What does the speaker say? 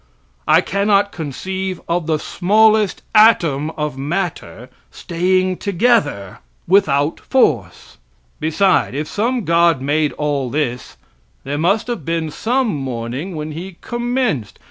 I cannot conceive of the smallest atom of matter staying together without force. Beside, if some god made all this, there must have been some morning when he commenced!